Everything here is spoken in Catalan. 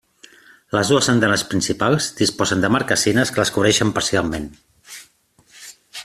Les dues andanes principals disposen de marquesines que les cobreixen parcialment.